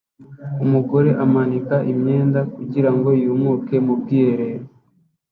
Umugore amanika imyenda kugirango yumuke mu bwiherero